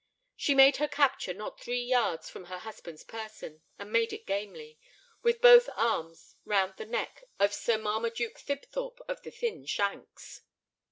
She made her capture not three yards from her husband's person, and made it gamely—with both arms round the neck of Sir Marmaduke Thibthorp of the thin shanks.